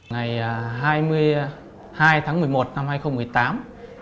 ngày hai mươi hai tháng một mươi một năm hai nghìn một mươi tám